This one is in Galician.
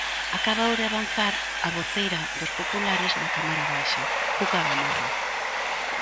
Acábao de avanzar a voceira dos populares na cámara baixa, Cuca Gamarra.